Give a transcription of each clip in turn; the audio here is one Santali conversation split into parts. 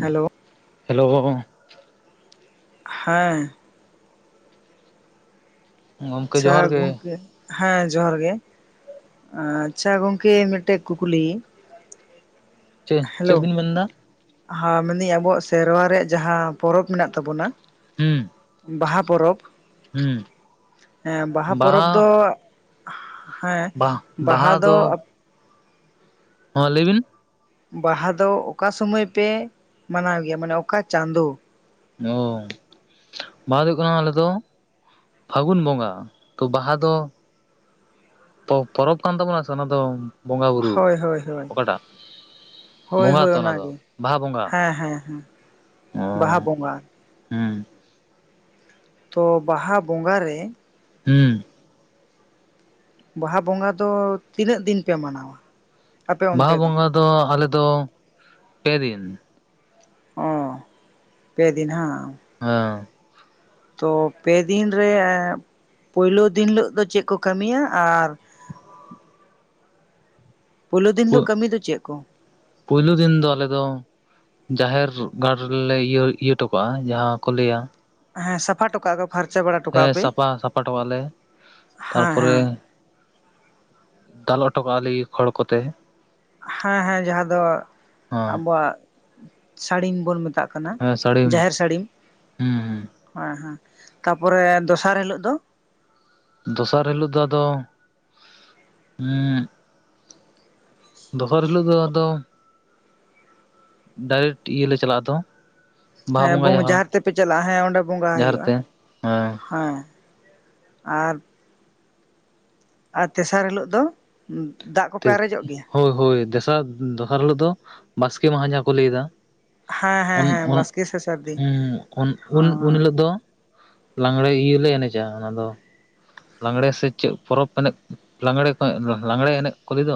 ᱦᱮᱞᱳ ᱦᱮᱞᱳ ᱦᱮᱸ ᱜᱚᱢᱠᱮ ᱟᱪᱷᱟ ᱡᱚᱦᱟᱨ ᱜᱮ ᱜᱩᱝᱠᱮ ᱦᱮᱸ ᱡᱚᱦᱟᱨ ᱜᱮ, ᱟᱪᱪᱷᱟ ᱜᱚᱝᱠᱮ ᱢᱤᱫᱴᱮᱡ ᱠᱩᱠᱞᱤ? ᱪᱮ ᱪᱮᱜ ᱦᱮᱞᱳ ᱵᱤᱱ ᱢᱮᱱᱫᱟ? ᱦᱮᱸ ᱢᱮᱱᱫᱟᱹᱧ ᱟᱵᱚᱣᱟᱜ ᱥᱮᱨᱣᱟ ᱨᱮᱭᱟᱜ ᱡᱟᱦᱟᱸ ᱯᱚᱨᱚᱵᱽ ᱢᱮᱱᱟᱜ ᱛᱟᱵᱚᱱᱟ᱾ ᱦᱩᱸ ᱵᱟᱦᱟ ᱯᱚᱨᱚᱵᱽ ᱦᱩᱸ ᱮᱸ ᱵᱟᱦᱟ ᱯᱚᱨᱚᱵᱽ ᱫᱚ ᱦᱮᱸ ᱵᱟᱦᱟ ᱫᱚ ᱟᱯ ᱦᱚᱸ ᱞᱟᱹᱭ ᱵᱤᱱ ᱵᱟᱦᱟ ᱫᱚ ᱚᱠᱟ ᱥᱩᱢᱟᱹᱭ ᱯᱮ ᱢᱟᱱᱟᱣ ᱜᱮᱭᱟ ᱢᱟᱱᱮ ᱚᱠᱟ ᱪᱟᱸᱫᱳ? ᱚ ᱵᱟᱦᱟ ᱫᱚ ᱦᱩᱭᱩᱜ ᱠᱟᱱᱟ ᱟᱞᱮ ᱫᱚ ᱯᱷᱟᱹᱜᱩᱱ ᱵᱚᱸᱜᱟ ᱛᱚ ᱵᱟᱦᱟ ᱫᱚ ᱯᱚ-ᱯᱚᱨᱚᱵᱽ ᱠᱟᱱ ᱛᱟᱵᱚᱱᱟ ᱥᱮ ᱚᱱᱟ ᱫᱚ ᱵᱚᱸᱜᱟ ᱵᱩᱨᱩ ᱦᱳᱭ ᱦᱳᱭ ᱦᱳᱭ ᱚᱠᱟᱴᱟᱜ? ᱦᱳᱭ ᱵᱚᱸᱜᱟ ᱦᱳᱭ ᱛᱚ ᱚᱱᱟ ᱫᱚ ᱜᱮ ᱵᱟᱦᱟ ᱵᱚᱸᱜᱟ ᱦᱮᱸ ᱦᱮᱸ ᱦᱮᱸ ᱚ ᱵᱟᱦᱟ ᱵᱚᱸᱜᱟ ᱾ ᱦᱩᱸ ᱛᱚ ᱵᱟᱦᱟ ᱵᱚᱸᱜᱟ ᱨᱮ ᱦᱩᱸ ᱵᱟᱦᱟ ᱵᱚᱸᱜᱟ ᱫᱚ ᱛᱤᱱᱟᱹᱜ ᱫᱤᱱ ᱯᱮ ᱢᱟᱱᱟᱣᱟ? ᱟᱯᱮ ᱵᱟᱦᱟ ᱚᱱᱛᱮ ᱵᱚᱸᱜᱟ ᱫᱚ ᱟᱞᱮ ᱫᱚ ᱯᱮᱫᱤᱱ᱾ ᱚ ᱯᱮᱫᱤᱱ ᱦᱟᱸ᱾ ᱦᱚ ᱛᱚ ᱯᱮ ᱫᱤᱱ ᱨᱮ ᱯᱩᱭᱞᱩ ᱫᱤᱱ ᱦᱤᱞᱟᱹᱜ ᱫᱚ ᱪᱮᱫ ᱠᱚ ᱠᱟᱹᱢᱤᱭᱟ ᱟᱨ ᱯᱳᱭᱞᱳ ᱫᱤᱱ ᱦᱤᱞᱳᱜ ᱠᱟᱹᱢᱤ ᱫᱚ ᱪᱮᱜ ᱠᱚ? ᱯᱩᱭᱞᱩ ᱫᱤᱱ ᱫᱚ ᱟᱞᱮ ᱫᱚ ᱡᱟᱦᱮᱨ ᱜᱟᱲ ᱨᱮᱞᱮ ᱤᱭᱟᱹ ᱤᱭᱟᱹ ᱦᱚᱴᱚ ᱠᱟᱜᱼᱟ ᱡᱟᱸᱦᱟ ᱠᱚ ᱞᱟᱹᱭᱟ ᱦᱮᱸ ᱥᱟᱯᱷᱟ ᱦᱚᱴᱚᱠᱟᱜᱼᱟ ᱯᱮ ᱯᱷᱟᱨᱪᱟ ᱵᱟᱲᱟ ᱦᱮᱸ ᱴᱚᱠᱟᱜᱼᱟ ᱯᱮ ᱥᱟᱯᱟ ᱥᱟᱯᱟ ᱴᱚᱠᱟᱜ ᱟᱞᱮ ᱦᱮᱸ ᱦᱮᱸ ᱛᱟᱨᱯᱚᱨᱮ ᱫᱟᱞ ᱚᱴᱚ ᱠᱟᱜᱼᱟ ᱞᱤ ᱠᱷᱚᱲ ᱠᱚᱛᱮ᱾ ᱦᱮᱸ ᱦᱮᱸ ᱡᱟᱸᱦᱟ ᱫᱚ ᱦᱚᱸ ᱟᱵᱚᱣᱟᱜ ᱥᱟᱹᱲᱤᱢ ᱵᱚᱱ ᱢᱮᱛᱟᱜ᱾ ᱠᱟᱱᱟ ᱦᱮᱸ ᱥᱟᱹᱲᱤᱢ ᱡᱟᱦᱮᱨ ᱥᱟᱹᱲᱤᱢ, ᱦᱩᱸ ᱦᱩᱸ ᱦᱮᱸ ᱦᱮᱸ ᱛᱟᱯᱚᱨᱮ ᱫᱚᱥᱟᱨ ᱦᱤᱞᱳᱜ ᱫᱚ? ᱫᱚᱥᱟᱨ ᱦᱤᱞᱳᱜ ᱫᱚ ᱟᱫᱚ ᱩᱢ ᱫᱚᱥᱟᱨ ᱦᱤᱞᱳᱜ ᱫᱚ ᱟᱫᱚ ᱰᱟᱭᱨᱮᱠᱴ ᱤᱭᱟᱹ ᱞᱮ ᱪᱟᱞᱟᱜᱼᱟ ᱛᱚ ᱦᱮᱸ ᱮᱵᱚᱝ ᱡᱟᱦᱮᱨ ᱛᱮᱯᱮ ᱪᱟᱞᱟᱜᱼᱟ ᱦᱮᱸ ᱚᱸᱰᱮ ᱵᱚᱸᱜᱟ ᱡᱟᱦᱮᱨ ᱦᱩᱭᱩᱜᱼᱟ ᱛᱮ ᱦᱮᱸ᱾ ᱟᱨ ᱟᱨ ᱛᱮᱥᱟᱨ ᱦᱤᱞᱚᱜ ᱫᱚ ᱫᱟᱜ ᱠᱚᱯᱮ ᱟᱨᱮᱡᱚᱜ ᱜᱮᱭᱟ? ᱦᱳᱭ ᱦᱳᱭ ᱫᱮᱥᱟᱨ ᱫᱚᱥᱟᱨ ᱦᱤᱞᱳᱜ ᱫᱚ ᱵᱟᱥᱠᱮ ᱢᱟᱦᱟ ᱡᱟᱸᱦᱟ ᱠᱚ ᱞᱟᱹᱭᱫᱟ᱾ ᱦᱮᱸ ᱦᱮᱸ ᱦᱮᱸ ᱩᱱ-ᱩᱱ ᱵᱟᱥᱠᱮ ᱥᱮ ᱥᱟᱹᱨᱫᱤ ᱩᱸ ᱩᱱ-ᱩᱱ ᱦᱮᱸ ᱦᱮᱸ ᱩᱱᱦᱤᱞᱳᱟᱹᱜ ᱫᱚ ᱞᱟᱝᱜᱲᱮ ᱤᱭᱟᱹ ᱞᱮ ᱮᱱᱮᱡᱟ ᱚᱱᱟ ᱫᱚ ᱞᱟᱜᱽᱲᱮ ᱥᱮ ᱪᱮᱫ ᱯᱚᱨᱚᱵᱽ ᱮᱱᱮᱡ ᱞᱟᱜᱽᱲᱮ ᱠᱚ ᱞᱟᱝᱲᱮ ᱮᱱᱮᱡ ᱠᱚ ᱞᱟᱹᱭ ᱫᱚ᱾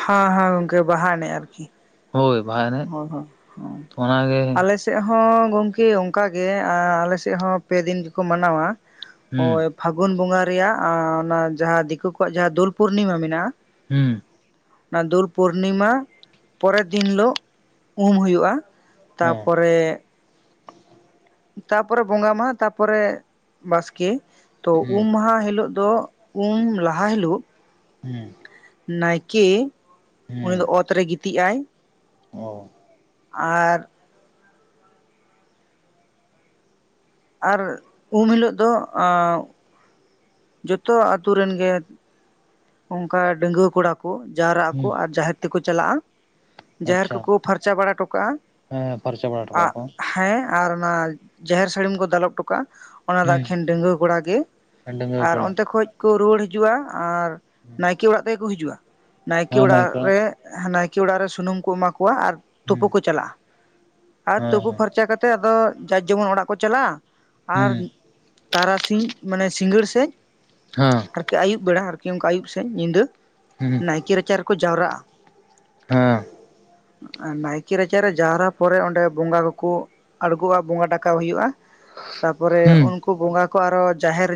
ᱦᱮᱸ ᱦᱮᱸ ᱜᱚᱝᱠᱮ ᱵᱟᱦᱟ ᱮᱱᱮᱡ ᱟᱨᱠᱤ᱾ ᱦᱳᱭ ᱵᱟᱦᱟ ᱮᱱᱮᱡ᱾ ᱦᱚᱭ ᱦᱚᱭ ᱚᱱᱟᱛᱮ ᱛᱮᱜ ᱦᱚᱸ ᱜᱚᱝᱠᱮ ᱚᱝᱠᱟᱜᱮ ᱟᱸ ᱟᱞᱮᱥᱮᱜ ᱦᱚᱸ ᱯᱮᱫᱤᱱ ᱜᱮᱠᱚ ᱢᱟᱱᱟᱣᱟ᱾ ᱦᱩᱸ ᱯᱷᱟᱹᱜᱩᱱ ᱵᱚᱸᱜᱟ ᱨᱮᱭᱟᱜ ᱚᱱᱟ ᱡᱟᱸᱦᱟ ᱫᱤᱠᱩ ᱠᱚᱣᱟᱜ ᱡᱟᱸᱦᱟ ᱫᱳᱞ ᱯᱩᱨᱱᱤᱢᱟ ᱢᱮᱱᱟᱜᱼᱟ᱾ ᱦᱩᱸ ᱚᱱᱟ ᱫᱳᱞ ᱯᱩᱨᱱᱤᱢᱟ ᱯᱚᱨᱮᱨ ᱫᱤᱱ ᱦᱤᱞᱳᱜ ᱩᱢ ᱦᱩᱭᱩᱜᱼᱟ ᱦᱮᱸ ᱛᱟᱯᱚᱨᱮ ᱛᱟᱯᱚᱨᱮ ᱵᱚᱸᱜᱟ ᱢᱟᱦᱟ ᱛᱟᱯᱚᱨᱮ ᱵᱟᱥᱠᱮ ᱛᱚ ᱦᱩᱸ ᱩᱢ ᱢᱟᱦᱟ ᱦᱤᱞᱚᱜ ᱫᱚ ᱩᱢ ᱞᱟᱦᱟ ᱦᱤᱞᱳᱜ ᱦᱩᱸ ᱱᱟᱭᱠᱮ ᱩᱱᱤ ᱫᱚ ᱚᱛ ᱨᱮᱭ ᱜᱤᱛᱤᱡ ᱟᱭ ᱾ ᱚᱦ [unintelligible] ᱟᱨ᱾ ᱟᱨ ᱩᱢ ᱦᱤᱞᱳᱜ ᱫᱚ ᱡᱚᱛᱚᱣᱟᱜ ᱟᱹᱛᱳ ᱨᱮᱱ ᱜᱮ᱾ ᱚᱱᱠᱟ ᱰᱟᱸᱜᱩᱣᱟᱹ ᱠᱚᱲᱟ ᱠᱚ ᱡᱟᱣᱨᱟᱜ ᱟᱠᱚ ᱦᱩᱸ ᱟᱨ ᱡᱟᱦᱮᱨ ᱛᱮᱠᱚ ᱪᱟᱞᱟᱜᱼᱟ ᱡᱟᱦᱮᱨ ᱟᱪᱪᱷᱟ ᱠᱚᱠᱚ ᱯᱷᱟᱨᱪᱟ ᱵᱟᱲᱟ ᱦᱚᱴᱚᱠᱟᱜᱼᱟ ᱦᱮᱸ ᱯᱷᱟᱨᱪᱟ ᱵᱟᱲᱟ ᱴᱚᱠᱟᱜ ᱟᱜ ᱟᱠᱚ ᱦᱮᱸ᱾ ᱟᱨ ᱚᱱᱟ ᱡᱟᱦᱮᱨ ᱥᱟᱹᱲᱤᱢ ᱠᱚ ᱫᱟᱞᱚᱵ ᱦᱚᱴᱚ ᱠᱟᱜ ᱟ᱾ ᱚᱱᱟ ᱫᱚ ᱦᱩᱸ ᱮᱠᱷᱮᱱ ᱰᱟᱸᱜᱩᱣᱟᱹ ᱠᱚᱲᱟ ᱜᱮ ᱰᱟᱺᱜᱩᱣᱟᱹ ᱟᱨ ᱠᱚᱲᱟ ᱚᱱᱛᱮ ᱠᱷᱚᱡ ᱠᱚ ᱨᱩᱣᱟᱹᱲ ᱦᱤᱡᱩᱜ ᱟ ᱟᱨ ᱱᱟᱭᱠᱮ ᱚᱲᱟᱜ ᱛᱮᱜᱮᱠᱚ ᱦᱤᱡᱩᱜᱼᱟ ᱱᱟᱭᱠᱮ ᱦᱮᱸ ᱢᱟᱹᱭ ᱚᱲᱟᱜ ᱠᱚ ᱨᱮ ᱱᱟᱭᱠᱮ ᱚᱲᱟᱜ ᱨᱮ ᱥᱩᱱᱩᱢ ᱠᱚ ᱮᱢᱟ ᱠᱚᱣᱟ ᱟᱨ ᱛᱩᱯᱩ ᱦᱩᱸ ᱠᱚ ᱪᱟᱞᱟᱜᱼᱟ ᱟᱨ ᱛᱩᱯᱩ ᱦᱮᱸ ᱯᱷᱟᱨᱪᱟ ᱠᱟᱛᱮᱫ ᱟᱫᱚ ᱡᱟ ᱡᱮᱢᱚᱱ ᱚᱲᱟᱜ ᱠᱚ ᱪᱟᱞᱟᱜᱼᱟ᱾ ᱟᱨ ᱦᱮᱸ ᱛᱟᱨᱟᱥᱤᱧ ᱢᱟᱱᱮ ᱥᱤᱸᱜᱟᱹᱲ ᱥᱮᱡ ᱦᱚᱸ᱾ ᱟᱨᱠᱤ ᱟᱹᱭᱩᱵ ᱵᱮᱲᱟ ᱟᱨᱠᱤ ᱟᱹᱭᱩᱵ ᱥᱮᱫ ᱧᱤᱫᱟᱹ ᱦᱮᱸ ᱱᱟᱭᱠᱮ ᱨᱟᱪᱟ ᱨᱮᱠᱚ ᱡᱟᱣᱨᱟᱜᱼᱟ᱾ ᱦᱮᱸ ᱱᱟᱭᱠᱮ ᱨᱟᱪᱟᱨᱮ ᱡᱟᱣᱨᱟ ᱯᱚᱨᱮ ᱚᱸᱰᱮ ᱵᱚᱸᱜᱟ ᱠᱚᱠᱚ ᱟᱲᱜᱚ ᱟ ᱵᱚᱸᱜᱟ ᱴᱟᱠᱟᱣ ᱦᱩᱭᱩᱜ ᱟ᱾ ᱛᱟᱯᱚᱨᱮ ᱦᱩᱸ ᱩᱱᱠᱩ ᱵᱚᱸᱜᱟ ᱠᱚ ᱟᱨᱚ ᱡᱟᱦᱮᱨ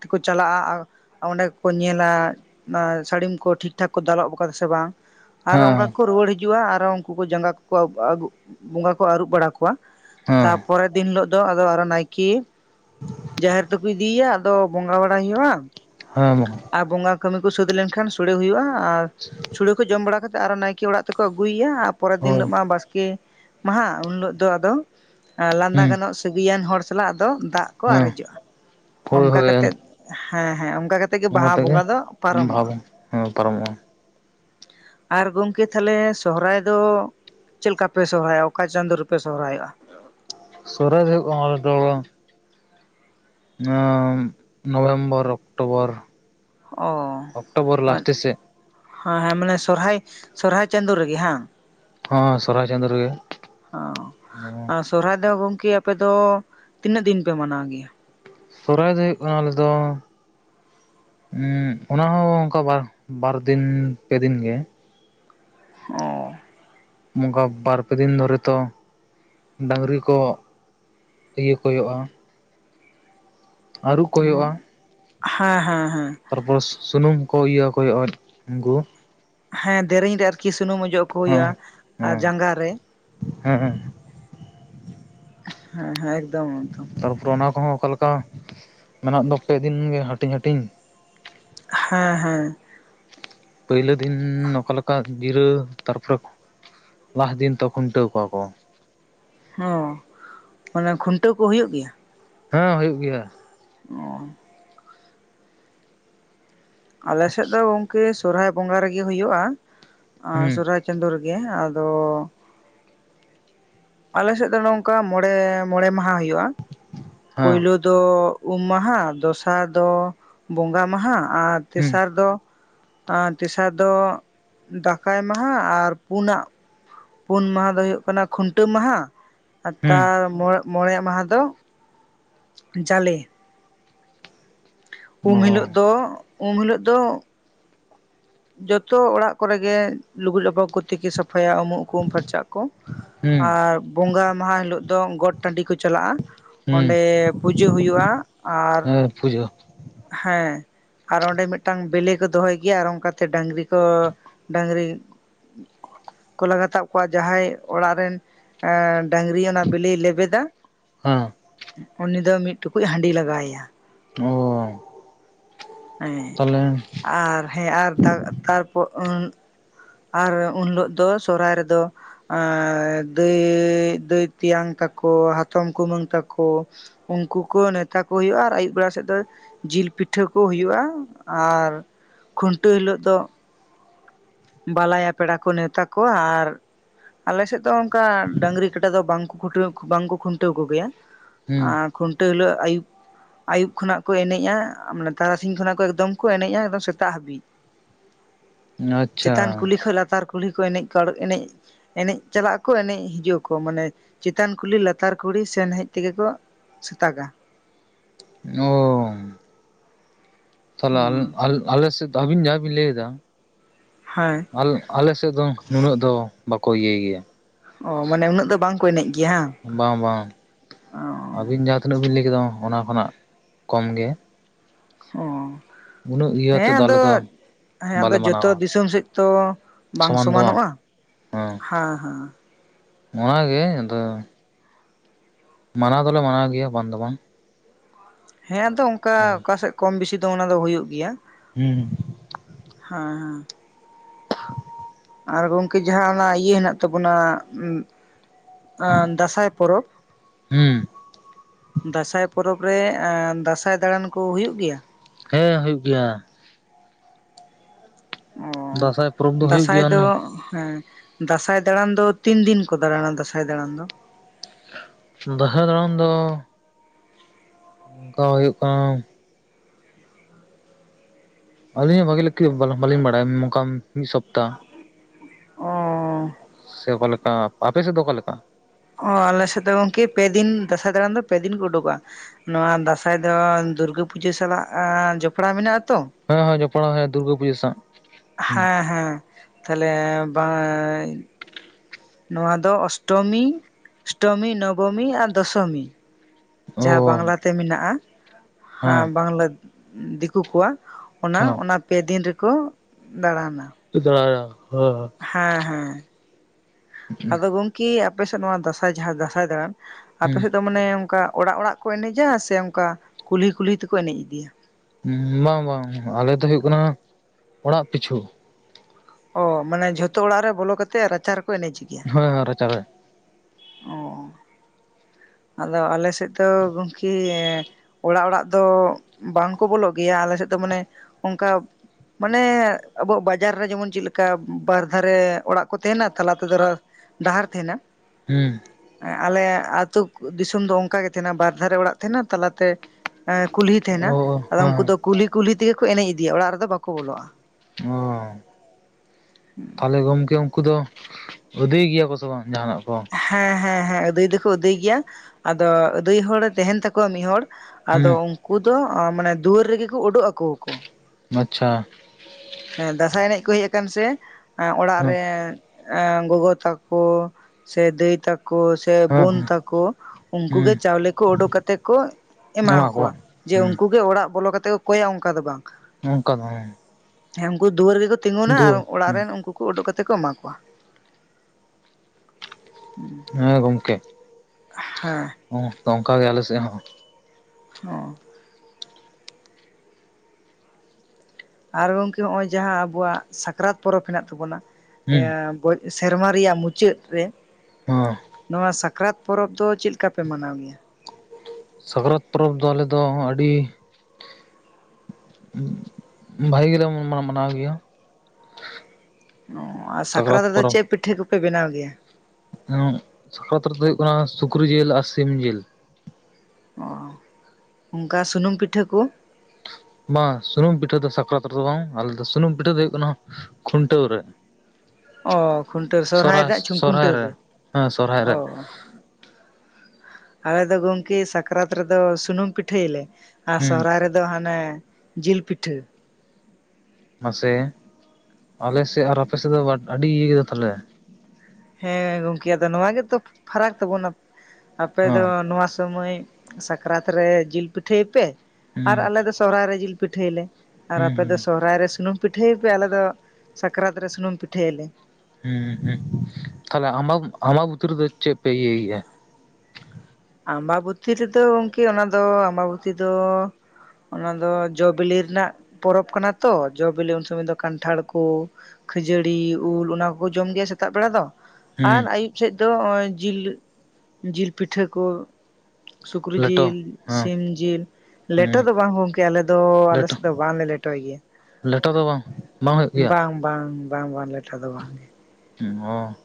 ᱛᱮᱠᱚ ᱪᱟᱞᱟᱜᱼᱟ ᱚᱸᱰᱮ ᱠᱚ ᱧᱮᱞᱟ ᱥᱟᱹᱲᱤᱢ ᱠᱚ ᱴᱷᱤᱠ ᱴᱷᱟᱠ ᱠᱚ ᱫᱟᱞᱚᱵ ᱟᱠᱟᱫᱟ ᱥᱮ ᱵᱟᱝ ᱟᱨᱚ ᱚᱱᱠᱟ ᱦᱮᱸ ᱠᱚ ᱨᱩᱣᱟᱹᱲ ᱦᱤᱡᱩᱜᱼᱟ᱾ ᱦᱤᱡᱩᱜᱼᱟ ᱟᱨᱚ ᱩᱱᱠᱩ ᱠᱚ ᱡᱟᱸᱜᱟ ᱠᱚᱠᱚ ᱵᱚᱸᱜᱟ ᱠᱚ ᱟᱹᱨᱩᱵ ᱵᱟᱲᱟ ᱠᱚᱣᱟ᱾ ᱛᱟᱨᱯᱚᱨᱮᱨ ᱫᱤᱱ ᱦᱤᱞᱳᱜ ᱫᱚ ᱱᱟᱭᱠᱮ ᱡᱟᱦᱮᱨ ᱛᱮᱠᱚ ᱤᱫᱤᱭᱮᱭᱟ ᱟᱫᱚ ᱵᱚᱸᱜᱟ ᱵᱟᱲᱟᱭ ᱦᱩᱭᱩᱜᱼᱟ᱾ ᱦᱮᱸ ᱢᱟ᱾ ᱟᱨ ᱵᱚᱸᱜᱟ ᱠᱟᱹᱢᱤ ᱠᱚ ᱥᱟᱹᱛ ᱞᱮᱱᱠᱷᱟᱱ ᱥᱳᱲᱮ ᱦᱩᱭᱩᱜ ᱟ᱾ ᱟᱨ ᱥᱚᱲᱮ ᱠᱚ ᱡᱚᱢ ᱵᱟᱲᱟ ᱠᱟᱛᱮᱫ ᱟᱨᱚ ᱱᱟᱭᱠᱮ ᱚᱲᱟᱜ ᱛᱮᱠᱚ ᱟᱹᱜᱩᱭᱮᱭᱟ ᱟᱨ ᱯᱚᱨᱮᱨ ᱫᱤᱱ ᱦᱳᱭ ᱦᱤᱞᱳᱜ ᱢᱟ ᱵᱟᱥᱠᱮ ᱢᱟᱦᱟ ᱩᱱ ᱦᱤᱞᱳᱜ ᱫᱚ ᱟᱫᱚ᱾ ᱞᱟᱸᱫᱟ ᱦᱩᱸ ᱜᱟᱱᱚᱜ ᱥᱟᱹᱜᱟᱹᱭ ᱟᱱ ᱦᱚᱲ ᱥᱟᱞᱟᱜ ᱟᱫᱚ ᱫᱟᱜ ᱠᱚ ᱦᱮᱸ ᱟᱨᱮᱡᱚᱜ ᱟ᱾ ᱦᱳᱭ ᱚᱱᱠᱟ ᱦᱳᱭ ᱠᱟᱛᱮᱜ ᱦᱮᱸ ᱦᱮᱸ ᱚᱱᱠᱟ ᱠᱟᱛᱮᱜ᱾ ᱛᱮᱜᱮ ᱵᱟᱦᱟ ᱵᱚᱸᱜᱟ ᱫᱚ ᱵᱷᱟᱵ ᱯᱟᱨᱚᱢᱚᱜᱼᱟ᱾ ᱦᱮᱸ ᱯᱟᱨᱚᱢᱚᱜᱼᱟ ᱟᱨ ᱜᱚᱝᱠᱮ ᱛᱟᱦᱚᱞᱮ ᱥᱚᱦᱚᱨᱟᱭ ᱫᱚ᱾ ᱪᱮᱫ ᱞᱮᱠᱟ ᱯᱮ ᱥᱚᱦᱚᱨᱟᱭᱚᱜ ᱟ ᱚᱠᱟ ᱪᱟᱸᱫᱳ ᱨᱮᱯᱮ ᱥᱚᱦᱚᱨᱟᱭᱚᱜ ᱟ ᱾ ᱥᱚᱨᱦᱟᱭ ᱫᱚ ᱦᱩᱭᱩᱜ ᱠᱟᱱᱟ ᱟᱞᱮ ᱫᱚ ᱱᱚᱵᱷᱮᱢᱵᱚᱨ ᱚᱠᱴᱚᱵᱚᱨ᱾ ᱚ ᱦᱮᱸ ᱥᱮᱫ ᱦᱮᱸ ᱢᱟᱱᱮ ᱥᱚᱨᱦᱟᱭ ᱥᱚᱨᱚᱦᱟᱭ ᱪᱟᱸᱫᱳ ᱨᱮᱜᱮ ᱦᱟᱸᱜ᱾ ᱦᱚᱸ ᱥᱚᱨᱚᱦᱟᱭ ᱪᱟᱸᱫᱳ ᱨᱮᱜᱮ᱾ ᱚ ᱥᱚᱨᱦᱟᱭ ᱫᱚ ᱜᱚᱝᱠᱮ ᱟᱯᱮ ᱫᱚ ᱛᱤᱱᱟᱹᱜ ᱫᱤᱱ ᱯᱮ ᱢᱟᱱᱟᱣ ᱜᱮᱭᱟ? ᱥᱚᱦᱚᱨᱟᱭ ᱫᱚ ᱦᱩᱭᱩᱜ ᱠᱟᱱᱟ ᱟᱞᱮᱫᱚ ᱚᱱᱟᱦᱚ ᱚᱱᱠᱟ ᱵᱟᱨ ᱵᱟᱨ ᱫᱤᱱ ᱯᱮ ᱫᱤᱱ ᱜᱮ᱾ ᱚ ᱾ ᱝᱠᱟ ᱵᱟᱨᱯᱮ ᱫᱤᱱ ᱫᱷᱚᱨᱮ ᱛᱚ ᱰᱟᱝᱨᱤ ᱠᱚ ᱤᱭᱟᱹ ᱠᱚᱭᱚᱜ ᱟ᱾ ᱦᱩᱭᱩᱜᱼᱟ ᱦᱮᱸ ᱦᱮᱸ ᱦᱮᱸ᱾ ᱛᱟᱨᱯᱚᱨ ᱥᱩᱱᱩᱢ ᱠᱚ ᱤᱭᱟᱹᱠᱚ ᱦᱩᱭᱩᱜ ᱟ ᱩᱱᱠᱩ ᱦᱮᱸ ᱫᱮᱨᱮᱧ ᱨᱮ ᱟᱨᱠᱤ ᱥᱩᱱᱩᱢ ᱚᱡᱚᱜ ᱟᱠᱚ ᱦᱩᱭᱩᱜ ᱦᱮᱸ ᱟ ᱟᱨ ᱦᱮᱸ ᱡᱟᱸᱜᱟ ᱨᱮ ᱾ ᱦᱮᱸ ᱦᱮᱸ ᱦᱮᱸ ᱮᱠᱫᱚᱢ ᱮᱠᱫᱚᱢ᱾ ᱛᱟᱨᱯᱚᱨᱮ ᱚᱱᱟ ᱠᱚᱦᱚᱸ ᱚᱠᱟᱞᱮ ᱞᱮᱠᱟ ᱢᱮᱱᱟᱜ ᱫᱚ ᱯᱮ ᱫᱤᱱ ᱜᱮ ᱦᱟᱹᱴᱤᱧ ᱦᱟᱹᱴᱤᱧ᱾ ᱦᱮᱸ ᱦᱮᱸ ᱾ ᱯᱩᱭᱞᱟᱹ ᱫᱤᱱ ᱚᱠᱟ ᱞᱮᱠᱟ ᱜᱤᱨᱟᱹ ᱛᱟᱨᱯᱚᱨᱮ ᱞᱟᱦᱟ ᱫᱤᱱ ᱛᱚ ᱠᱷᱩᱱᱴᱟᱹᱣ ᱠᱚᱣᱟ ᱠᱚ᱾ ᱚ ᱢᱟᱱᱮ ᱠᱷᱩᱱᱴᱟᱹᱣ ᱠᱚ ᱦᱩᱭᱩᱜ ᱜᱮᱭᱟ᱾ ᱦᱮᱸ ᱦᱩᱭᱩᱜ ᱜᱮᱭᱟ᱾ ᱚ ᱟᱞᱮᱥᱮᱫ ᱫᱚ ᱜᱚᱝᱠᱮ ᱥᱚᱨᱦᱟᱭ ᱵᱚᱸᱜᱟ ᱨᱮᱜᱮ ᱦᱩᱭᱩᱜᱳᱼᱟ ᱟᱨ ᱦᱩᱸ ᱥᱚᱨᱟᱭ ᱪᱟᱸᱫ ᱨᱮᱜᱮ᱾ ᱟᱫᱚ ᱟᱞᱮᱥᱮᱫ ᱫᱚ ᱱᱚᱝᱠᱟ ᱢᱚᱲᱮ ᱢᱚᱲᱮ ᱢᱟᱦᱟ ᱦᱩᱭᱩᱜᱼᱟ ᱦᱮᱸ ᱯᱩᱭᱞᱳ ᱫᱚ ᱩᱢ ᱢᱟᱦᱟ, ᱫᱚᱥᱟᱨ ᱫᱚ ᱵᱚᱸᱜᱟ ᱢᱟᱦᱟ, ᱟᱨ ᱦᱩᱸ ᱛᱮᱥᱟᱨ ᱫᱚ ᱛᱮᱥᱟᱨ ᱫᱚ ᱫᱟᱠᱟᱭ ᱢᱟᱦᱟ, ᱟᱨ ᱯᱩᱱᱟᱜ ᱯᱩᱱ ᱢᱟᱦᱟ ᱫᱚ ᱦᱩᱭᱩᱜ ᱠᱟᱱᱟ ᱠᱷᱩᱱᱴᱟᱹᱣ ᱢᱟᱦᱟ, ᱦᱩᱸ ᱛᱟᱨ ᱢᱚᱮ ᱢᱚᱬᱮᱭᱟᱜ ᱢᱟᱦᱟ ᱫᱚ ᱡᱟᱞᱮ᱾ ᱩᱢ ᱚ ᱦᱤᱞᱳᱜ ᱫᱚ ᱩᱢ ᱦᱤᱞᱳᱜ ᱫᱚ ᱡᱚᱛᱚ ᱚᱲᱟᱜ ᱠᱚᱨᱮᱜᱮ ᱞᱩᱜᱩᱲᱤ ᱞᱟᱯᱟ ᱠᱚ ᱛᱤᱠᱤ ᱥᱟᱯᱷᱟᱭᱟ, ᱩᱢᱩᱜ ᱠᱚ ᱩᱢ ᱯᱷᱟᱨᱪᱟᱜ ᱠᱚ᱾ ᱟᱨ ᱵᱚᱸᱜᱟ ᱢᱟᱦᱟ ᱦᱤᱞᱳᱜ ᱫᱚ ᱜᱚᱴ ᱴᱟᱹᱰᱤ ᱠᱚ ᱪᱟᱞᱟᱜᱼᱟ᱾ ᱚᱸᱰᱮ ᱯᱩᱡᱟᱹ ᱦᱩᱭᱩᱜᱼᱟ, ᱟᱨ ᱯᱩᱡᱟᱹ᱾ ᱦᱮᱸ᱾ ᱟᱨ ᱚᱸᱰᱮ ᱢᱤᱫᱴᱟᱱ ᱵᱮᱞᱮ ᱠᱚ ᱫᱚᱦᱚᱭ ᱜᱮᱭᱟ, ᱟᱨ ᱚᱱᱠᱟᱛᱮ ᱰᱝᱨᱤ ᱠᱚ ᱰᱟᱝᱨᱤ ᱠᱚ ᱞᱟᱜᱟᱛᱟᱵ ᱠᱚᱣᱟ ᱡᱟᱦᱟᱸᱭ ᱚᱲᱟᱜ ᱨᱮᱱ ᱮᱸ ᱰᱟᱝᱨᱤ ᱚᱱᱟ ᱵᱤᱞᱤᱭ ᱞᱮᱵᱮᱫᱟ ᱩᱱᱤ ᱫᱚ ᱢᱤᱫ ᱴᱩᱠᱩᱡ ᱦᱟᱹᱰᱤ ᱞᱟᱜᱟᱣ ᱮᱭᱟ᱾ ᱚᱻ᱾ ᱮᱸᱻ ᱟᱨ ᱦᱮᱸ ᱟᱨ ᱫᱟ ᱛᱟᱨᱯᱚ ᱩ ᱟᱨ ᱩᱱ ᱦᱤᱞᱳᱜ ᱫᱚ ᱥᱚᱦᱨᱟᱭ ᱨᱮᱫᱚ ᱮᱸ ᱫᱟᱹᱭ ᱫᱟᱹᱭ ᱛᱮᱭᱟᱝ ᱛᱟᱠᱚ ᱦᱟᱛᱚᱢ ᱛᱮᱧᱟᱹᱝ ᱛᱟᱠᱚ ᱩᱱᱠᱩ ᱠᱚ ᱱᱮᱣᱛᱟ ᱠᱚ ᱦᱩᱭᱩᱜᱼᱟ, ᱟᱨ ᱟᱹᱭᱩᱵ ᱵᱮᱲᱟ ᱥᱮᱫ ᱫᱚ ᱡᱤᱞ ᱯᱤᱴᱷᱟᱹ ᱠᱚ ᱦᱩᱭᱩᱜᱼᱟ ᱟᱨ ᱠᱷᱩᱱᱴᱟᱹᱣ ᱦᱤᱞᱟᱹᱜ ᱫᱚ ᱵᱟᱞᱟᱭᱟ ᱯᱮᱲᱟ ᱠᱚ ᱱᱮᱣᱛᱟ ᱠᱚᱣᱟ, ᱟᱨ ᱟᱞᱮᱥᱮᱫ ᱫᱚ ᱚᱱᱠᱟ ᱰᱟᱹᱝᱜᱨᱤ ᱠᱟᱰᱟ ᱫᱚ ᱵᱟᱝᱠᱚ ᱠᱷᱩᱴᱟ. ᱵᱟᱝ ᱠᱚ ᱠᱷᱩᱱᱴᱟᱹᱣ ᱠᱚᱜᱮᱭᱟ ᱟᱨ ᱠᱷᱩᱱᱴᱟᱹᱣ ᱦᱤᱞᱚᱜ ᱟᱭᱩᱵᱽ᱾ ᱟᱹᱭᱩᱵ ᱠᱷᱚᱱᱟᱜ ᱠᱚ ᱮᱱᱮᱡᱼᱟ ᱢᱟᱱᱮ ᱛᱟᱨᱟᱥᱤᱧ ᱠᱷᱚᱱᱟᱜ ᱠᱚ ᱮᱠᱫᱚᱢ ᱠᱚ ᱮᱱᱮᱡᱼᱟ ᱮ ᱥᱮᱛᱟᱜ ᱦᱟᱹᱵᱤᱡ᱾ ᱪᱮᱛᱟᱱ ᱠᱩᱞᱦᱤ ᱠᱷᱚᱡᱽ ᱞᱟᱛᱟᱨ ᱠᱩᱞᱦᱤ ᱠᱚ ᱮᱱᱮᱡ ᱮᱱᱮᱡ ᱮᱱᱮᱡ ᱪᱟᱞᱟᱜ ᱟᱠᱚ ᱮᱱᱮᱡ ᱦᱤᱡᱩᱜ ᱟᱠᱚ ᱢᱟᱱᱮ ᱪᱮᱛᱟᱱ ᱠᱩᱞᱦᱤ ᱞᱟᱛᱟᱨ ᱠᱩᱞᱦᱤ ᱥᱮᱱ ᱦᱮᱡ ᱛᱮᱜᱮ ᱠᱚ ᱥᱮᱛᱟᱜᱟ᱾ ᱚ᱾ ᱛᱟᱦᱚᱞᱮ ᱦᱩᱸ ᱟᱞᱼᱟᱞ ᱟᱞᱮ ᱥᱮᱫ ᱟᱹᱵᱤᱱ ᱡᱟᱦᱟ ᱵᱤᱱ ᱞᱟᱹᱭᱫᱟ ᱦᱮᱸ᱾ ᱟᱞ ᱟᱞᱮᱥᱮᱫ ᱫᱚ ᱱᱩᱱᱟᱹᱜ ᱫᱚ ᱵᱟᱠᱚ ᱤᱭᱟᱹᱭ ᱜᱮᱭᱟ ᱚ ᱢᱟᱱᱮ ᱩᱱᱟᱹᱜ ᱫᱚ ᱵᱟᱝ ᱠᱚ ᱮᱱᱮᱡ ᱜᱮᱭᱟ ᱵᱟᱝ? ᱵᱟᱝ ᱵᱟᱝ ᱟᱹᱵᱤᱱ ᱡᱟᱦᱟᱸ ᱛᱤᱱᱟᱹᱜ ᱵᱤᱱ ᱞᱟᱹᱭ ᱠᱮᱫᱟ ᱚᱱᱟ ᱠᱷᱚᱱᱟᱜ ᱠᱚᱢ ᱜᱮ᱾ ᱚᱸ᱾ ᱩᱱᱟᱹᱜ ᱤᱭᱟᱹᱛᱮᱫᱚ ᱟᱞᱮᱚᱫᱚ ᱦᱮᱸ ᱟᱫᱚ ᱡᱚᱛᱚ ᱫᱤᱥᱚᱢ ᱥᱮᱫ ᱛᱚ ᱵᱟᱝ ᱥᱚᱢᱟᱱ ᱫᱚ ᱥᱚᱢᱟᱱᱚᱜᱼᱟ, ᱦᱮᱸ ᱦᱮᱸ᱾ ᱱᱳᱭᱟ ᱜᱮ ᱟᱫᱚ ᱢᱟᱱᱟᱣ ᱫᱚᱞᱮ ᱢᱟᱱᱟᱣ ᱜᱮᱭᱟ ᱵᱟᱝ ᱫᱚ ᱵᱟᱝ᱾ ᱦᱮᱸ ᱟᱫᱚ ᱚᱱᱠᱟ ᱡᱮᱢᱚᱱ ᱚᱠᱟᱥᱮᱫ ᱠᱚᱢ ᱵᱮᱥᱤ ᱫᱚ ᱚᱱᱟ ᱫᱚ ᱦᱩᱭᱩᱜ ᱜᱮᱭᱟ ᱦᱩᱸ᱾ ᱦᱮᱸ ᱦᱮᱸ᱾ [inaudible] ᱟᱨ ᱜᱚᱢᱠᱮ ᱡᱟᱦᱟᱸ ᱟᱱᱟᱜ ᱤᱭᱟᱹ ᱦᱮᱱᱟᱜ ᱛᱟᱵᱚᱱᱟ ᱫᱟᱸᱥᱟᱭ ᱯᱚᱨᱚᱵᱽ ᱦᱩᱸ ᱫᱟᱸᱥᱟᱭ ᱯᱚᱨᱚᱵᱽ ᱨᱮ ᱫᱟᱸᱥᱟᱭ ᱫᱟᱲᱟᱱ ᱠᱚ ᱦᱩᱭᱩᱜ ᱜᱮᱭᱟ? ᱦᱮᱸ ᱦᱩᱭᱩᱜ ᱜᱮᱭᱟ᱾ ᱚ ᱫᱟᱸᱥᱟᱭ ᱯᱚᱨᱚᱵᱽ ᱫᱚ ᱦᱩᱭᱩᱜ ᱫᱟᱸᱥᱟᱭ ᱜᱮᱭᱟ ᱫᱚ ᱚᱱᱟ ᱦᱮᱸ ᱫᱟᱸᱥᱟᱭ ᱫᱟᱲᱟᱱ ᱫᱚ ᱛᱤᱱ ᱫᱤᱱ ᱠᱚ ᱫᱲᱟᱱᱟ ᱫᱟᱸᱟᱭ ᱫᱟᱬᱟᱱ ᱫᱚ ᱵᱟᱦᱟ ᱫᱟᱬᱟᱱ ᱫᱚ ᱚᱱᱠᱟ ᱦᱩᱭᱩᱜ ᱠᱟᱱᱟ ᱟᱹᱞᱤᱧ ᱦᱚᱸ ᱵᱷᱟᱹᱜᱤ [unintelligible] ᱵᱟᱹᱞᱤᱧ ᱵᱟᱰᱟᱭᱟ ᱱᱚᱝᱠᱟ ᱢᱤᱫ ᱥᱚᱯᱛᱟᱦ ᱚᱸ ᱥᱮ ᱚᱠᱟ ᱞᱮᱠᱟ ᱟᱯᱮ ᱥᱮᱫ ᱫᱚ ᱚᱠᱟ ᱞᱮᱠᱟ ᱚ ᱟᱞᱮ ᱥᱮᱫ ᱫᱚ ᱜᱚᱢᱠᱮ ᱯᱮ ᱫᱤᱱ ᱫᱟᱸᱥᱟᱭ ᱫᱟᱬᱟᱱ ᱫᱚ ᱯᱮ ᱫᱤᱱ ᱠᱚ ᱩᱰᱩᱠᱚᱜᱼᱟ ᱱᱚᱣᱟ ᱫᱟᱸᱥᱟᱭ ᱫᱚ ᱫᱩᱨᱜᱟᱹ ᱯᱩᱡᱟᱹ ᱥᱟᱞᱟᱜ ᱡᱚᱯᱲᱟᱣ ᱢᱮᱱᱟᱜ ᱟᱛᱚ ᱦᱮᱸ ᱦᱮᱸ ᱡᱚᱯᱚᱲᱟᱣ ᱫᱩᱨᱜᱟ ᱯᱩᱡᱟᱹ ᱥᱟᱶ ᱦᱩᱸ ᱦᱮᱸ ᱦᱮᱸ ᱛᱟᱦᱚᱞᱮ ᱵᱟᱝ ᱱᱚᱣᱟ ᱫᱚ ᱚᱥᱴᱚᱢᱤ ᱚᱥᱴᱚᱢᱤ ᱱᱚᱵᱚᱢᱤ ᱟᱨ ᱫᱚᱥᱚᱢᱤ ᱚ ᱡᱟᱦᱟᱸ ᱵᱟᱝᱞᱟᱛᱮ ᱢᱮᱱᱟᱜᱼᱟ ᱦᱮᱸ ᱵᱟᱝᱞᱟ ᱫᱤᱠᱩ ᱠᱚᱣᱟᱜ ᱚᱱᱟ ᱦᱮᱸ ᱚᱱᱟ ᱯᱮ ᱫᱤᱱ ᱨᱮᱠᱚ ᱫᱟᱬᱟᱱᱟ ᱦᱮᱸ ᱦᱮ ᱦᱮᱸ ᱦᱮᱸ ᱟᱫᱚ ᱜᱚᱝᱠᱮ ᱟᱯᱮᱥᱮᱫ ᱱᱚᱣᱟ ᱫᱟᱸᱥᱟᱭ ᱡᱟᱦᱟᱸ ᱫᱟᱸᱥᱟᱭ ᱫᱟᱬᱟᱱ ᱟᱯᱮ ᱦᱮᱸ ᱥᱮᱫ ᱫᱚ ᱢᱟᱱᱮ ᱚᱱᱠᱟ ᱚᱲᱟᱜ ᱚᱲᱟᱜ ᱠᱚ ᱮᱱᱮᱡᱟ ᱥᱮ ᱚᱱᱠᱟ ᱠᱩᱞᱦᱤ ᱠᱩᱞᱦᱤ ᱛᱮᱠᱚ ᱮᱱᱮᱡ ᱤᱫᱤᱭᱟ ᱵᱟᱝ ᱵᱟᱝ ᱟᱞᱮ ᱫᱚ ᱦᱩᱭᱩᱜ ᱠᱟᱱᱟ ᱚᱲᱟᱜ ᱯᱤᱪᱷᱩ ᱚ ᱢᱟᱱᱮ ᱡᱷᱚᱛᱚ ᱚᱲᱟᱜ ᱨᱮ ᱵᱚᱞᱚ ᱠᱟᱛᱮᱫ ᱨᱟᱪᱟ ᱨᱮᱠᱚ ᱮᱱᱮᱡ ᱜᱮᱭᱟ ᱦᱳᱭ ᱦᱳᱭ ᱨᱟᱪᱟ ᱨᱮ ᱚ ᱟᱫᱚ ᱟᱞᱮ ᱥᱮᱫ ᱫᱚ ᱜᱚᱢᱠᱮ ᱚᱲᱟᱜ ᱚᱲᱟᱜ ᱫᱚ ᱵᱟᱝ ᱠᱚ ᱵᱚᱞᱚᱜ ᱜᱮᱭᱟ ᱟᱞᱮ ᱥᱮᱫ ᱫᱚ ᱢᱟᱱᱮ ᱚᱱᱠᱟ ᱢᱟᱱᱮ ᱟᱵᱚ ᱵᱟᱡᱟᱨ ᱨᱮ ᱡᱮᱢᱚᱱ ᱪᱮᱫᱠᱟ ᱵᱟᱨ ᱫᱷᱟᱨᱮ ᱚᱲᱟᱜ ᱠᱚ ᱛᱟᱦᱮᱱᱟ ᱛᱟᱞᱟ ᱛᱮᱫᱚ ᱨᱟ ᱰᱟᱦᱟᱨ ᱛᱟᱦᱮᱱᱟ ᱦᱮᱸ ᱟᱞᱮ ᱟᱹᱛᱩ ᱫᱤᱥᱚᱢ ᱫᱚ ᱚᱱᱠᱟᱜᱮ ᱛᱟᱦᱮᱱᱟ ᱵᱟᱨ ᱫᱷᱟᱨᱮ ᱚᱲᱟᱜ ᱛᱟᱦᱮᱱᱟ ᱛᱟᱞᱟᱛᱮ ᱠᱩᱞᱦᱤ ᱛᱟᱦᱮᱸᱱᱟ ᱚ ᱟᱫᱚ ᱩᱱᱠᱩ ᱦᱮᱸ ᱫᱚ ᱠᱩᱞᱦᱤ ᱠᱩᱞᱦᱤ ᱛᱮᱜᱮ ᱠᱚ ᱮᱱᱮᱡ ᱤᱫᱤᱭᱟ ᱚᱲᱟᱜ ᱨᱮᱫᱚ ᱵᱟᱠᱚ ᱵᱚᱞᱚᱜᱼᱟ ᱚ ᱛᱟᱦᱚᱞᱮ ᱜᱚᱢᱠᱮ ᱩᱱᱠᱩ ᱫᱚ ᱟᱫᱟᱹᱭ ᱜᱮᱭᱟ ᱠᱚ ᱥᱮ ᱵᱟᱝ ᱡᱟᱦᱟᱱᱟᱜ ᱠᱚ ᱦᱮᱸ ᱦᱮᱸ ᱦᱮᱸ ᱟᱹᱫᱟᱹᱭ ᱫᱚᱠᱚ ᱟᱹᱫᱟᱹᱭ ᱜᱮᱭᱟ ᱟᱫᱚ ᱟᱹᱫᱟᱹᱭ ᱦᱚᱲ ᱛᱟᱦᱮᱱ ᱛᱟᱠᱚᱣᱟ ᱢᱤᱫ ᱦᱚᱲ ᱟᱫᱚ ᱦᱩᱸ ᱩᱱᱠᱩ ᱫᱚ ᱢᱟᱱᱮ ᱫᱩᱣᱟᱹᱨ ᱨᱮᱜᱮ ᱠᱚ ᱩᱰᱩᱠ ᱟᱠᱚᱣᱟ ᱠᱚ ᱟᱪᱪᱷᱟ ᱦᱮᱸ ᱫᱟᱸᱥᱟᱭ ᱮᱱᱮᱡ ᱠᱚ ᱦᱮᱡ ᱟᱠᱟᱱ ᱥᱮ ᱚᱲᱟᱜ ᱦᱮᱸ ᱨᱮ ᱜᱚᱜᱚ ᱛᱟᱠᱚ ᱥᱮ ᱫᱟᱹᱭ ᱛᱟᱠᱚ ᱥᱮ ᱥᱮ ᱦᱮᱸ ᱵᱚᱱ ᱛᱟᱠᱚ ᱩᱱᱠᱩ ᱜᱮ ᱦᱩᱸ ᱪᱟᱣᱞᱮ ᱠᱚ ᱩᱰᱚᱠ ᱠᱟᱛᱮ ᱠᱚ ᱮᱢᱟ ᱮᱢᱟᱠᱚᱣᱟ ᱠᱚᱣᱟ ᱡᱮ ᱦᱩᱸ ᱩᱱᱠᱩ ᱜᱮ ᱚᱲᱟᱜ ᱵᱚᱞᱚ ᱠᱟᱛᱮᱜ ᱠᱚ ᱠᱚᱭᱟ ᱚᱱᱠᱟ ᱫᱚ ᱵᱟᱝ ᱚᱝᱠᱟ ᱫᱚ ᱦᱮᱸ [unintelligible] ᱦᱮᱸ ᱩᱱᱠᱩ ᱫᱩᱣᱟᱹᱨ ᱜᱮᱠᱚ ᱛᱤᱸᱜᱩᱱᱟ ᱫᱩ ᱟᱨ ᱚᱲᱟᱜ ᱨᱮᱱ ᱩᱱᱠᱩ ᱩᱰᱩᱠ ᱠᱟᱛᱮ ᱠᱚ ᱮᱢᱟ ᱠᱚᱣᱟ ᱦᱮᱸ ᱜᱚᱢᱠᱮ ᱦᱮᱸ ᱦᱚᱸ ᱚᱱᱠᱟ ᱜᱮ ᱟᱞᱮ ᱥᱮᱫ ᱦᱚᱸ ᱦᱚᱸ ᱟᱨ ᱜᱚᱝᱠᱮ ᱱᱚᱜᱼᱚᱭ ᱡᱟᱦᱟᱸ ᱟᱵᱚᱣᱟᱜ ᱥᱟᱠᱨᱟᱛ ᱯᱚᱨᱚᱵᱽ ᱦᱮᱱᱟᱜ ᱛᱟᱵᱚᱱᱟ ᱦᱩᱸ ᱜᱚᱡ ᱥᱮᱨᱢᱟ ᱨᱮᱭᱟᱜ ᱢᱩᱪᱟᱹᱫ ᱨᱮ ᱦᱮᱸ ᱱᱚᱣᱟ ᱥᱟᱠᱨᱟᱛ ᱯᱚᱨᱚᱵᱽ ᱫᱚ ᱪᱮᱫ ᱞᱮᱠᱟᱯᱮ ᱢᱟᱱᱟᱣ ᱜᱮᱭᱟ ᱥᱟᱠᱨᱟᱛ ᱯᱚᱨᱚᱵᱽ ᱫᱚ ᱟᱞᱮ ᱫᱚ ᱟᱹᱰᱤ ᱵᱷᱟᱹᱜᱤ ᱜᱮᱞᱮ ᱢᱟᱱᱟᱣ ᱜᱮᱭᱟ ᱚ ᱟᱨ ᱥᱟᱠᱨᱟᱛ ᱫᱚ ᱪᱮᱫ ᱯᱤᱴᱷᱟᱹ ᱠᱚᱯᱮ ᱵᱮᱱᱟᱣ ᱜᱮᱭᱟ ᱮ ᱥᱟᱠᱨᱟᱛ ᱨᱮᱫᱚ ᱦᱳᱭᱳᱜ ᱠᱟᱱᱟ ᱥᱩᱠᱨᱤ ᱡᱤᱞ ᱟᱨ ᱥᱤᱢ ᱡᱤᱞ ᱚ ᱚᱱᱠᱟ ᱥᱩᱱᱩᱢ ᱯᱤᱴᱷᱟᱹ ᱠᱚ ᱵᱟᱝ ᱥᱩᱱᱩᱢ ᱯᱤᱴᱷᱟᱹ ᱫᱚ ᱥᱟᱠᱨᱟᱛ ᱨᱮᱫᱚ ᱵᱟᱝ ᱟᱞᱮᱫ ᱫᱚ ᱥᱩᱱᱩᱢ ᱯᱤᱴᱷᱟᱹ ᱫᱚ ᱦᱩᱭᱩᱜ ᱠᱟᱱᱟ ᱠᱷᱩᱱᱴᱟᱹᱣ ᱨᱮ᱾ ᱚ ᱠᱷᱩᱱᱴᱟᱹᱣ ᱥᱚᱨᱚᱦᱟᱭ ᱥᱚᱨᱦᱟᱭ ᱨᱮᱭᱟᱜ ᱥᱚᱨᱦᱟᱭ ᱠᱷᱩᱱᱴᱟᱹᱣ ᱨᱮ ᱦᱮᱸ ᱥᱚᱨᱦᱟᱭ ᱚ᱾ ᱨᱮ ᱟᱞᱮ ᱫᱚ ᱜᱚᱝᱠᱮ ᱥᱟᱠᱨᱟᱛ ᱨᱮᱫᱚ ᱥᱩᱱᱩᱢ ᱯᱤᱴᱷᱟᱹᱭᱟᱞᱮ᱾ ᱟᱨ ᱦᱮᱸ ᱥᱚᱦᱚᱨᱟᱭ ᱨᱮᱫᱚ ᱦᱟᱱᱮ ᱡᱤᱞ ᱯᱤᱴᱷᱟᱹ ᱢᱟᱥᱮ ᱟᱞᱮᱥᱮᱫ ᱟᱨ ᱟᱯᱮᱥᱮᱫ ᱫᱚ ᱵᱟ ᱟᱹᱰᱤ ᱤᱭᱟᱹ ᱠᱮᱫᱟ ᱛᱟᱦᱚᱞᱮ ᱦᱮᱸ ᱜᱚᱝᱠᱮ ᱟᱫᱚ ᱱᱚᱣᱟ ᱜᱮᱛᱚ ᱯᱷᱟᱨᱟᱠ ᱛᱟᱵᱚᱱᱟ ᱦᱚᱸ ᱟᱯᱮᱚ ᱱᱚᱣᱟ ᱥᱚᱢᱚᱭ ᱥᱟᱠᱨᱟᱛ ᱨᱮ ᱡᱤᱞ ᱯᱤᱴᱷᱟᱹᱭ ᱯᱮ ᱟᱨ ᱦᱩᱸ ᱟᱞᱮ ᱫᱚ ᱥᱚᱨᱦᱟᱭ ᱨᱮ ᱡᱤᱞ ᱯᱤᱴᱷᱟᱹᱭᱟᱞᱮ ᱟᱨ ᱦᱩᱸ ᱟᱯᱮ ᱫᱚ ᱦᱩᱸ ᱥᱚᱦᱨᱟᱭ ᱨᱮ ᱥᱩᱱᱩᱢ ᱯᱤᱴᱷᱟᱹᱭᱟ ᱯᱮ ᱟᱞᱮ ᱫᱚ ᱥᱟᱠᱨᱟᱛ ᱨᱮ ᱥᱩᱱᱩᱢ ᱯᱤᱴᱷᱟᱹᱭᱟᱞᱮ ᱦᱮᱸ ᱦᱮᱸ ᱛᱟᱦᱞᱮ ᱟᱢᱟᱵ ᱟᱢᱟᱵᱟᱛᱤ ᱨᱮᱫᱚ ᱪᱮᱫ ᱯᱮ ᱤᱭᱟᱹᱭᱮᱭᱟ? ᱟᱢᱟᱵᱟᱛᱤ ᱨᱮᱫᱚ ᱜᱚᱝᱠᱮ ᱚᱱᱟ ᱫᱚ ᱟᱢᱵᱟᱵᱚᱛᱤ ᱫᱚ ᱚᱱᱟ ᱫᱚ ᱡᱚ ᱵᱤᱞᱤ ᱨᱮᱱᱟᱜ ᱯᱚᱨᱚᱵᱽ ᱠᱟᱱᱟ ᱛᱚ ᱡᱚᱼᱵᱤᱞᱤ ᱩᱱ ᱥᱚᱢᱚᱭ ᱫᱚ ᱠᱟᱱᱴᱷᱟᱲ ᱠᱚ ᱠᱷᱟᱹᱡᱟᱹᱲᱤ ᱩᱞ ᱚᱱᱟ ᱠᱚᱠᱚ ᱡᱚᱢ ᱜᱮᱭᱟ ᱥᱮᱛᱟᱜ ᱵᱮᱲᱟ ᱫᱚ ᱦᱩᱸ ᱟᱨ ᱟᱹᱭᱩᱵ ᱥᱮᱫ ᱫᱚ ᱱᱚᱜᱼᱚᱭ ᱡᱤᱞ ᱡᱤᱞ ᱯᱤᱴᱷᱟᱹ ᱠᱚ ᱥᱩᱠᱨᱤ ᱞᱮᱴᱚ ᱡᱤᱞ ᱦᱮᱸ ᱥᱤᱢ ᱡᱤᱞ ᱞᱮᱴᱚ ᱦᱮᱸ ᱫᱚ ᱵᱟᱝ ᱜᱚᱝᱠᱮ ᱟᱞᱮ ᱫᱚ ᱞᱮᱴᱚ ᱟᱞᱮᱥᱮᱫ ᱫᱚ ᱵᱟᱝᱞᱮ ᱞᱮᱴᱚᱭ ᱜᱮᱭᱟ᱾ ᱞᱮᱴᱚ ᱫᱚ ᱵᱟᱝ ᱵᱟᱝ ᱦᱩᱭᱩᱜ ᱜᱮᱭᱟ? ᱵᱟᱝ ᱵᱟᱝ ᱵᱟᱝ ᱞᱮᱴᱚ ᱫᱚ ᱵᱟᱝ ᱜᱮ ᱭ [unintelligible]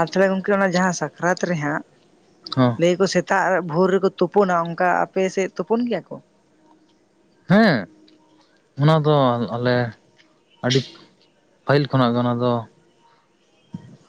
ᱟᱨ ᱛᱟᱦᱚᱞᱮ ᱜᱚᱝᱠᱮ ᱚᱱᱟ ᱡᱟᱦᱟᱸ ᱥᱟᱠᱨᱟᱛ ᱨᱮᱦᱟᱸᱜ ᱦᱮᱸ ᱞᱟᱹᱭᱟᱠᱚ ᱥᱮᱛᱟᱜ ᱵᱷᱳᱨ ᱨᱮᱠᱚ ᱛᱩᱯᱩᱱᱟ ᱚᱱᱠᱟ ᱟᱯᱮᱥᱮᱫ ᱛᱩᱯᱩᱱ ᱜᱮᱭᱟ ᱠᱚ? ᱦᱮᱸ ᱚᱱᱟ ᱫᱚ ᱟᱞᱮ ᱟᱹᱰᱤ ᱯᱟᱹᱦᱤᱞ ᱠᱷᱚᱱᱟᱜ ᱜᱮ ᱚᱱᱟ ᱫᱚ